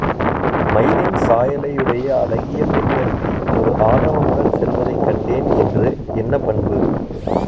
மயிலின் சாயலையுடைய அழகிய பெண்ணொருத்தி ஒரு ஆடவனுடன் செல்வதைக் கண்டேன் என்று என்ன பண்பு?